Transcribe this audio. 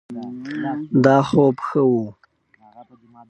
دا خوب ښه ؤ